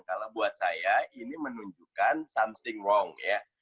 kalau buat saya ini menunjukkan something wrong ya